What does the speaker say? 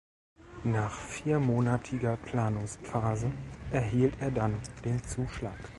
Nach viermonatiger Planungsphase erhielt er dann den Zuschlag.